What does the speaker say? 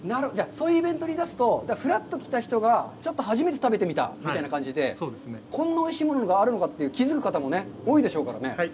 そういうイベントで出すと、ふらっと来た人がちょっと初めて食べてみたみたいな感じで、こんなおいしいものがあるのかと気づく方も多いでしょうからね、はい。